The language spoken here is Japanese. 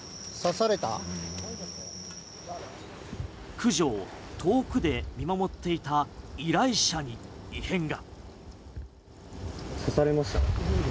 駆除を遠くで見守っていた依頼者に異変が。